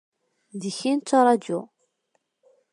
Deg-k i nettraǧu.